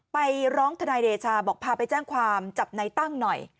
ไปร้องทนายเดชาบอกพาไปแจ้งความจับนายตั้งหน่อย